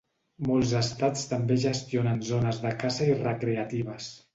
Molts estats també gestionen zones de caça i recreatives.